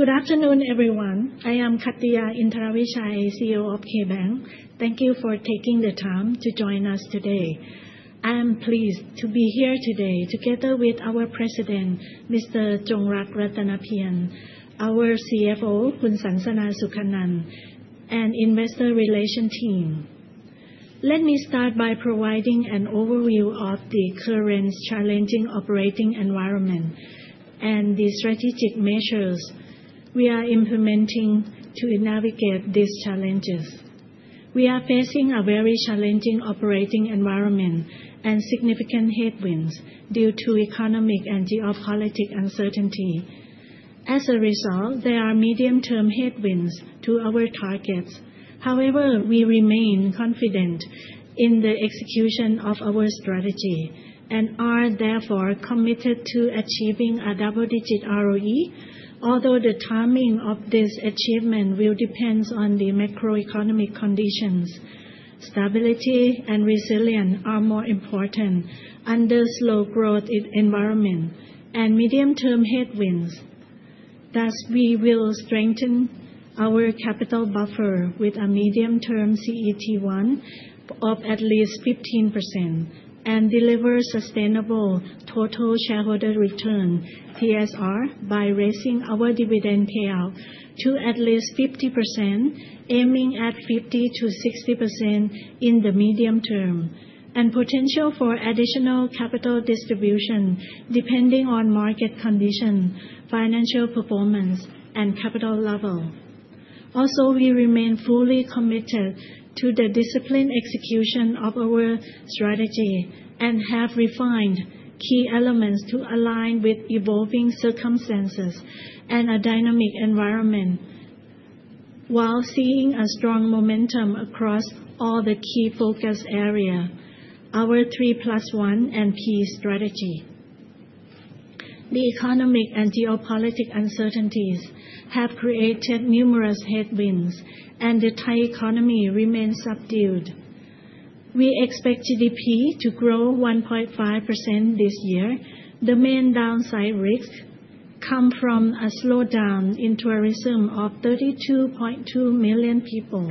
Good afternoon, everyone. I am Kattiya Indaravijaya, CEO of KBank. Thank you for taking the time to join us today. I am pleased to be here today together with our President, Mr. Jongrak Rattanapian, our CFO, Khun Sansana Sukhanunth, and the investor relations team. Let me start by providing an overview of the current challenging operating environment and the strategic measures we are implementing to navigate these challenges. We are facing a very challenging operating environment and significant headwinds due to economic and geopolitical uncertainty. As a result, there are medium-term headwinds to our targets. However, we remain confident in the execution of our strategy and are therefore committed to achieving a double-digit ROE, although the timing of this achievement will depend on the macroeconomic conditions. Stability and resilience are more important under a slow-growth environment and medium-term headwinds. Thus, we will strengthen our capital buffer with a medium-term CET1 of at least 15% and deliver sustainable total shareholder return (TSR) by raising our dividend payout to at least 50%, aiming at 50%-60% in the medium term, and potential for additional capital distribution depending on market conditions, financial performance, and capital level. Also, we remain fully committed to the disciplined execution of our strategy and have refined key elements to align with evolving circumstances and a dynamic environment while seeing a strong momentum across all the key focus areas: our 3+1 and PE strategy. The economic and geopolitical uncertainties have created numerous headwinds, and the Thai economy remains subdued. We expect GDP to grow 1.5% this year. The main downside risks come from a slowdown in tourism of 32.2 million people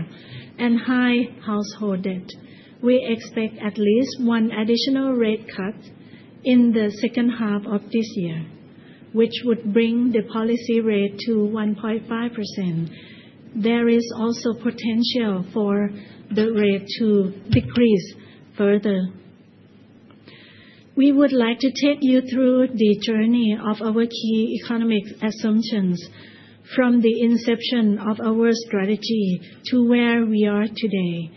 and high household debt. We expect at least one additional rate cut in the second half of this year, which would bring the policy rate to 1.5%. There is also potential for the rate to decrease further. We would like to take you through the journey of our key economic assumptions from the inception of our strategy to where we are today.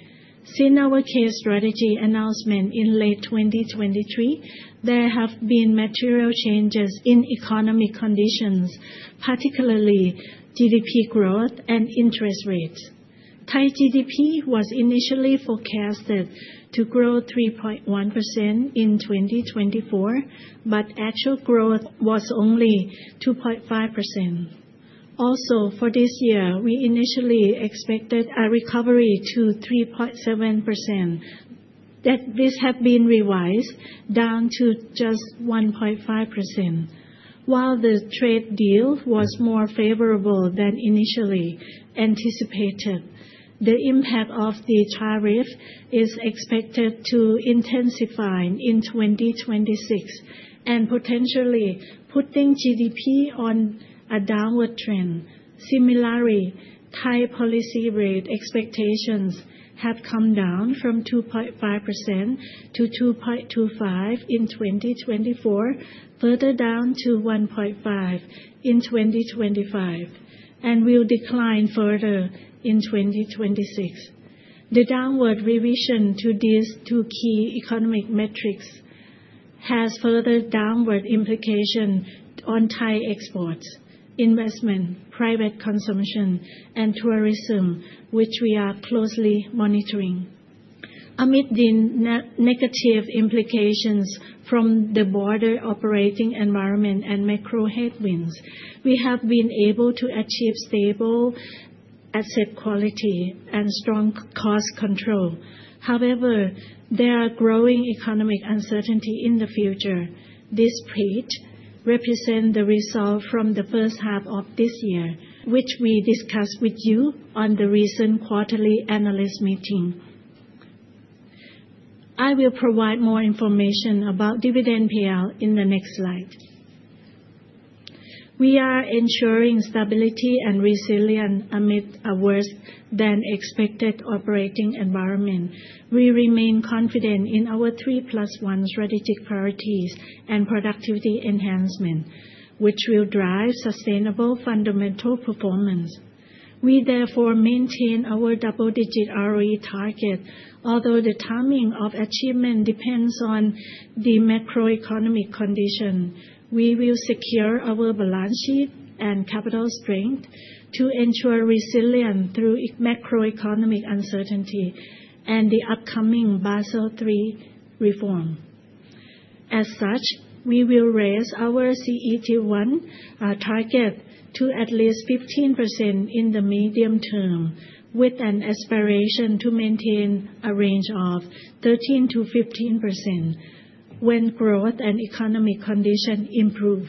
Since our base case strategy announcement in late 2023, there have been material changes in economic conditions, particularly GDP growth and interest rates. Thai GDP was initially forecasted to grow 3.1% in 2024, but actual growth was only 2.5%. Also, for this year, we initially expected a recovery to 3.7%. This has been revised down to just 1.5%, while the trade deal was more favorable than initially anticipated. The impact of the tariff is expected to intensify in 2026 and potentially put GDP on a downward trend. Similarly, Thai policy rate expectations have come down from 2.5% to 2.25% in 2024, further down to 1.5% in 2025, and will decline further in 2026. The downward revision to these two key economic metrics has further downward implications on Thai exports, investment, private consumption, and tourism, which we are closely monitoring. Amid the negative implications from the broader operating environment and macro headwinds, we have been able to achieve stable asset quality and strong cost control. However, there are growing economic uncertainties in the future. This rate represents the result from the first half of this year, which we discussed with you on the recent quarterly analyst meeting. I will provide more information about dividend payout in the next slide. We are ensuring stability and resilience amid a worse-than-expected operating environment. We remain confident in our 3+1 strategic priorities and productivity enhancement, which will drive sustainable fundamental performance. We, therefore, maintain our double-digit ROE target. Although the timing of achievement depends on the macroeconomic conditions, we will secure our balance sheet and capital strength to ensure resilience through macroeconomic uncertainty and the upcoming Basel III reform. As such, we will raise our CET1 target to at least 15% in the medium term, with an aspiration to maintain a range of 13%-15% when growth and economic conditions improve.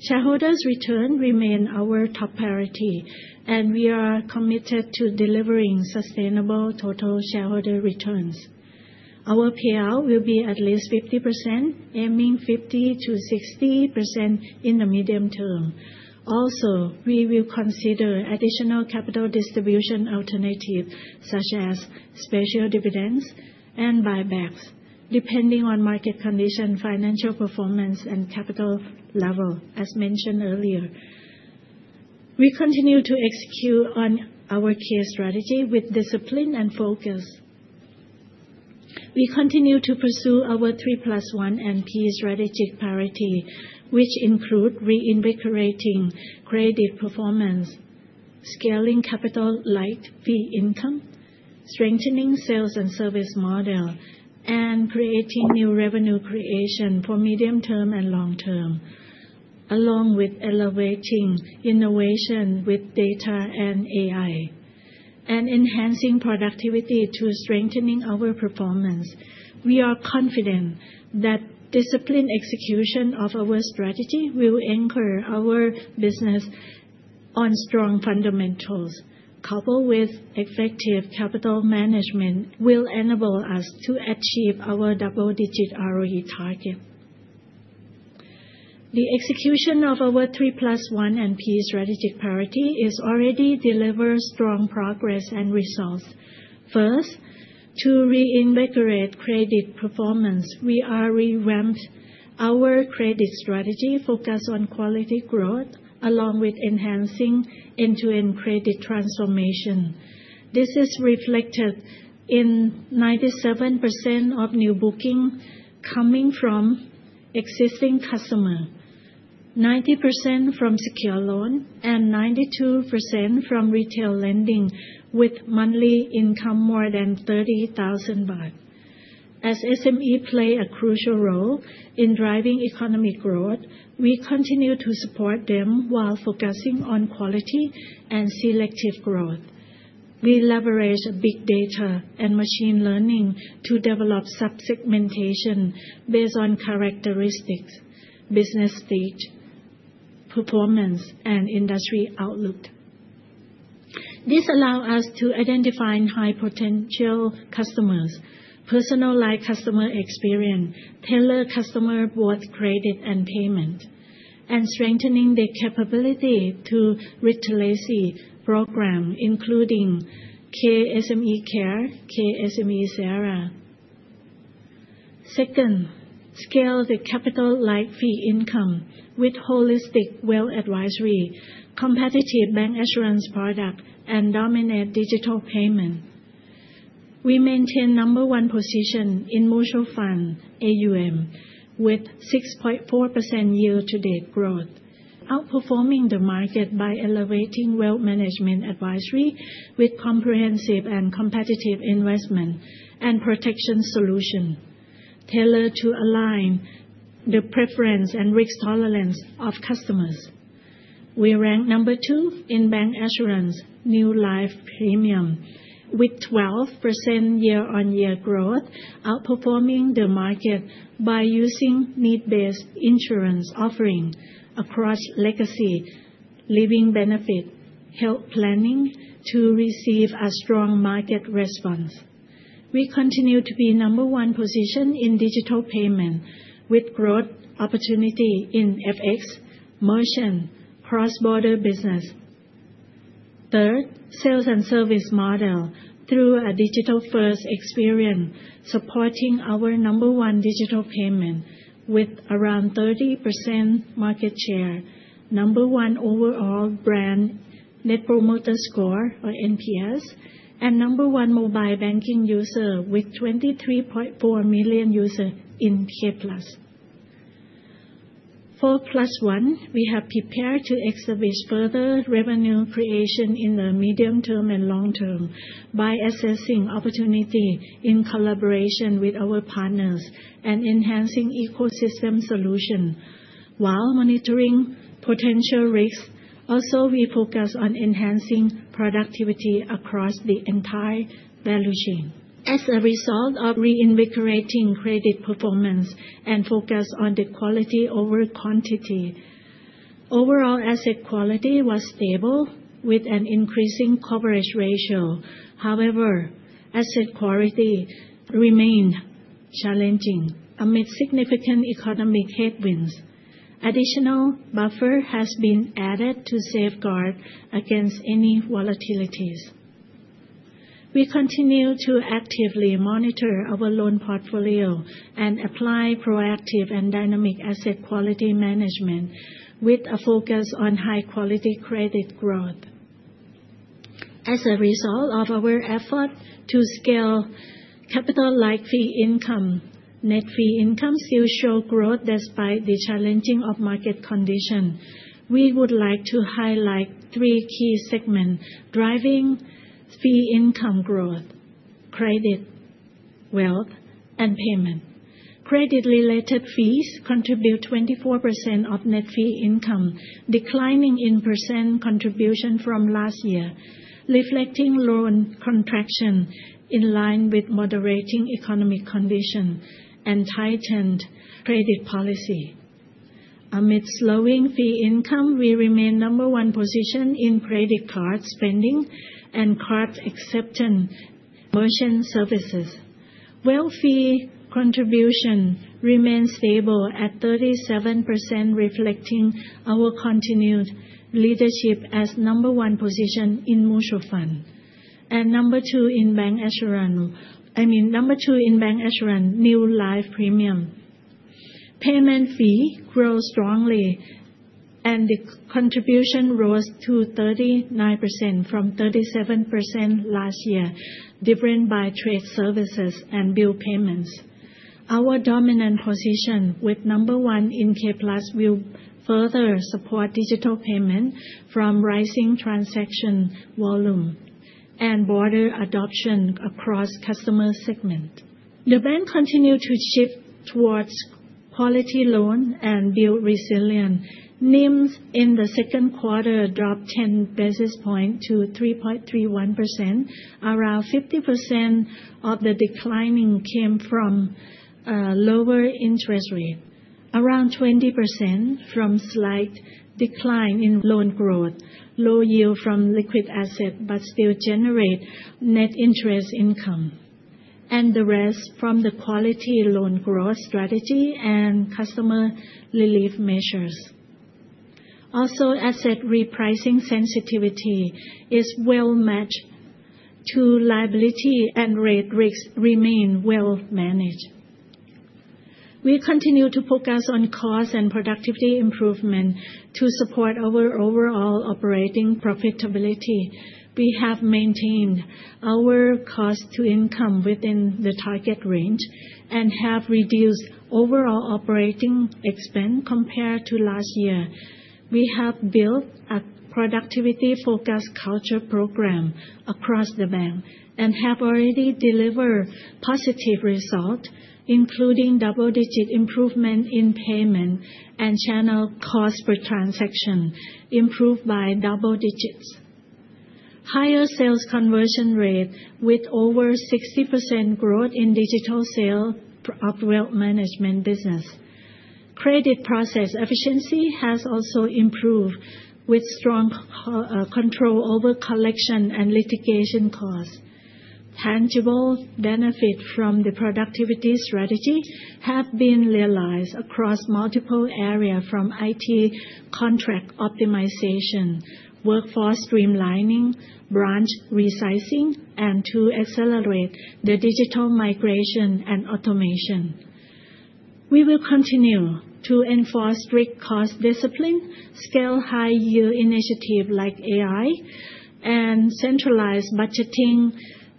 Shareholders' returns remain our top priority, and we are committed to delivering sustainable total shareholder returns. Our payout will be at least 50%, aiming 50%-60% in the medium term. Also, we will consider additional capital distribution alternatives such as special dividends and buybacks, depending on market conditions, financial performance, and capital level, as mentioned earlier. We continue to execute on our K-ACE strategy with discipline and focus. We continue to pursue our 3+1 and PE strategic priorities, which include reinvigorating credit performance, scaling capital-like fee income, strengthening sales and service models, and creating new revenue creation for medium term and long term, along with elevating innovation with data and AI, and enhancing productivity through strengthening our performance. We are confident that disciplined execution of our strategy will anchor our business on strong fundamentals. Coupled with effective capital management, it will enable us to achieve our double-digit ROE target. The execution of our 3+1 and PE strategic priorities has already delivered strong progress and results. First, to reinvigorate credit performance, we have revamped our credit strategy focused on quality growth, along with enhancing end-to-end credit transformation. This is reflected in 97% of new bookings coming from existing customers, 90% from secure loans, and 92% from retail lending with monthly income more than 30,000 baht. As SMEs play a crucial role in driving economic growth, we continue to support them while focusing on quality and selective growth. We leverage big data and machine learning to develop sub-segmentation based on characteristics, business stage, performance, and industry outlook. This allows us to identify high-potential customers, personalize customer experience, tailor customer growth, credit, and payment, and strengthen their capability through retail programs, including K SME Care and K SME Sera. Second, we scale the capital-like fee income with holistic wealth advisory, competitive bank assurance products, and dominant digital payments. We maintain number one position in mutual funds, AUM, with 6.4% year-to-date growth, outperforming the market by elevating wealth management advisory with comprehensive and competitive investment and protection solutions tailored to align the preference and risk tolerance of customers. We rank number two in bank assurance, new life premium, with 12% year-on-year growth, outperforming the market by using need-based insurance offerings across legacy, living benefits, and health planning to receive a strong market response. We continue to be number one position in digital payments, with growth opportunities in FX, merchant, and cross-border business. Third, sales and service models through a digital-first experience, supporting our number one digital payments with around 30% market share, number one overall brand net promoter score (NPS), and number one mobile banking users with 23.4 million users in K+. For +1, we have prepared to exhibit further revenue creation in the medium term and long term by assessing opportunities in collaboration with our partners and enhancing ecosystem solutions. While monitoring potential risks, we also focus on enhancing productivity across the entire value chain. As a result of reinvigorating credit performance and focus on quality over quantity, overall asset quality was stable with an increasing coverage ratio. However, asset quality remained challenging amid significant economic headwinds. Additional buffer has been added to safeguard against any volatilities. We continue to actively monitor our loan portfolio and apply proactive and dynamic asset quality management with a focus on high-quality credit growth. As a result of our efforts to scale capital-like fee income, net fee income still shows growth despite the challenges of market conditions. We would like to highlight three key segments driving fee income growth: credit, wealth, and payments. Credit-related fees contribute 24% of net fee income, declining in percent contribution from last year, reflecting loan contraction in line with moderating economic conditions and tightened credit policy. Amid slowing fee income, we remain number one position in credit card spending and card acceptance merchant services. Wealth fee contribution remains stable at 37%, reflecting our continued leadership as number one position in mutual funds and number two in bancassurance, I mean, new life premium. Payment fees grow strongly, and the contribution rose to 39% from 37% last year, driven by trade services and bill payments. Our dominant position, with number one in K+, will further support digital payments from rising transaction volume and broader adoption across customer segments. The bank continues to shift towards quality loans and build resilience. NIMS in the second quarter dropped 10 basis points to 3.31%. Around 50% of the decline came from lower interest rates, around 20% from slight decline in loan growth, low yield from liquid assets but still generating net interest income, and the rest from the quality loan growth strategy and customer relief measures. Also, asset repricing sensitivity is well matched to liability, and rate risks remain well managed. We continue to focus on cost and productivity improvements to support our overall operating profitability. We have maintained our cost-to-income within the target range and have reduced overall operating expense compared to last year. We have built a productivity-focused culture program across the bank and have already delivered positive results, including double-digit improvements in payments and channel cost per transaction, improved by double digits. Higher sales conversion rate with over 60% growth in digital sales of wealth management business. Credit process efficiency has also improved with strong control over collection and litigation costs. Tangible benefits from the productivity strategy have been realized across multiple areas from IT contract optimization, workforce streamlining, branch resizing, and to accelerate the digital migration and automation. We will continue to enforce strict cost discipline, scale high-yield initiatives like AI, and centralize budgeting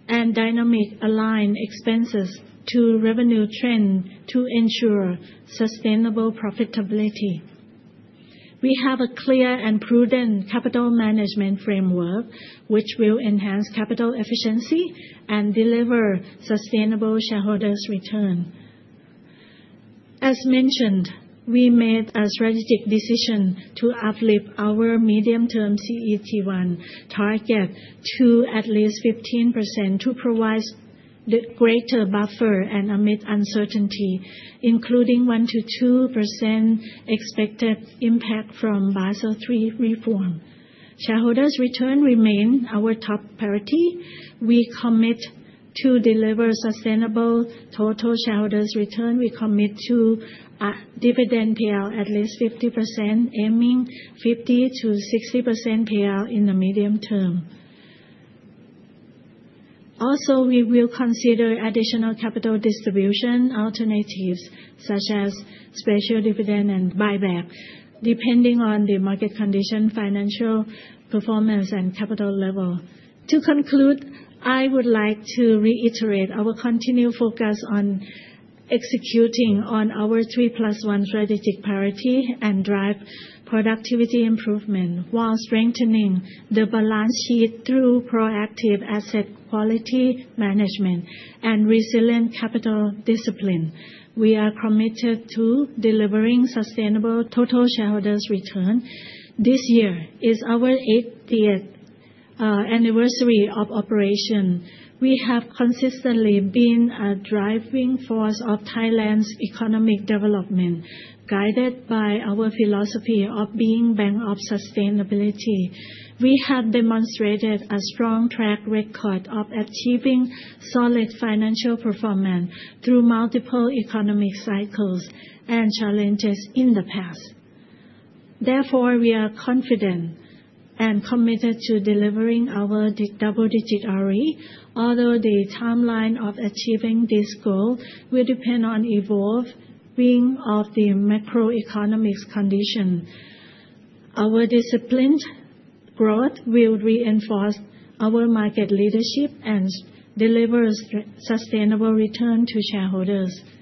and dynamically align expenses to revenue trends to ensure sustainable profitability. We have a clear and prudent capital management framework, which will enhance capital efficiency and deliver sustainable shareholder returns. As mentioned, we made a strategic decision to uplift our medium-term CET1 target to at least 15% to provide a greater buffer amid uncertainty, including 1%-2% expected impact from Basel III reform. Shareholders' returns remain our top priority. We commit to deliver sustainable total shareholders' return. We commit to dividend payout at least 50%, aiming 50%-60% payout in the medium term. Also, we will consider additional capital distribution alternatives such as special dividends and buybacks, depending on the market conditions, financial performance, and capital level. To conclude, I would like to reiterate our continued focus on executing on our 3+1 strategic priorities and driving productivity improvements while strengthening the balance sheet through proactive asset quality management and resilient capital discipline. We are committed to delivering sustainable total shareholders' returns. This year is our 80th anniversary of operation. We have consistently been a driving force of Thailand's economic development, guided by our philosophy of being a bank of sustainability. We have demonstrated a strong track record of achieving solid financial performance through multiple economic cycles and challenges in the past. Therefore, we are confident and committed to delivering our double-digit ROE, although the timeline of achieving this goal will depend on evolving the macroeconomic conditions. Our disciplined growth will reinforce our market leadership and deliver sustainable returns to shareholders. Thank you.